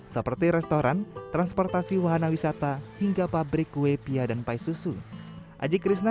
seperti restoran transportasi wahana wisata hingga pabrik kue pia dan paisusu aji krishna